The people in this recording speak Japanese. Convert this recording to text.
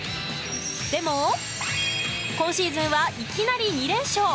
でも、今シーズンはいきなり２連勝。